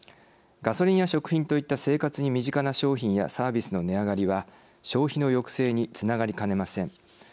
ガソリンや食品といった生活に身近な商品やサービスの値上がりは消費の抑制につながりかねません。